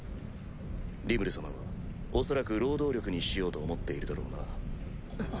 リムル様は恐らく労働力にしようと思っているだろうな。